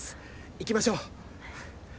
行きましょう。